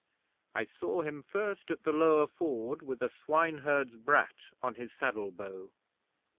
I saw him first at the Lower Ford, with a swineherd's brat on his saddle bow.